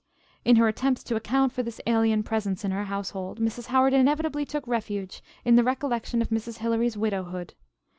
In her attempts to account for this alien presence in her household, Mrs. Howard inevitably took refuge in the recollection of Mrs. Hilary's widowhood.